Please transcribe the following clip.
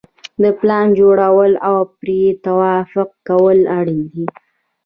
د پلان جوړول او پرې توافق کول اړین دي.